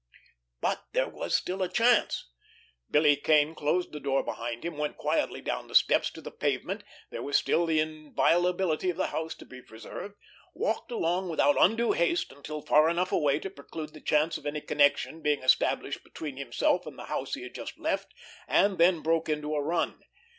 But there was still a chance! Billy Kane closed the door behind him, went quietly down the steps to the pavement—there was still the inviolability of the house to be preserved—walked along without undue haste until far enough away to preclude the chance of any connection being established between himself and the house he had just left, and then broke into a run.